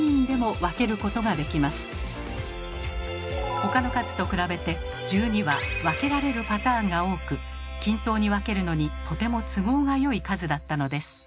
他の数と比べて１２は分けられるパターンが多く均等に分けるのにとても都合がよい数だったのです。